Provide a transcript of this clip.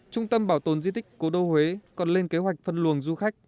trung tâm bảo tồn di tích cố đô huế còn lên kế hoạch phân luồng du khách